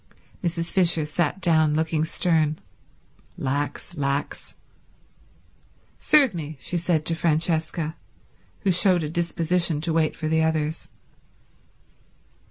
Mrs. Fisher sat down, looking stern. Lax, lax. "Serve me," she said to Francesca, who showed a disposition to wait for the others.